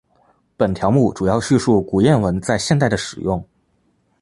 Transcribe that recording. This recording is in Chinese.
本条目主要叙述古谚文在现代的使用。